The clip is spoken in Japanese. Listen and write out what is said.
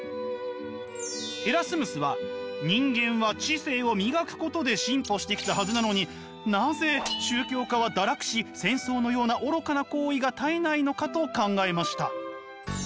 エラスムスは人間は知性を磨くことで進歩してきたはずなのになぜ宗教家は堕落し戦争のような愚かな行為が絶えないのかと考えました。